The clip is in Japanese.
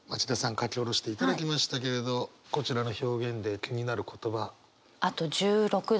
書き下ろしていただきましたけれどこちらの表現で気になる言葉。